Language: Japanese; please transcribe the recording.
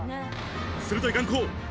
鋭い眼光。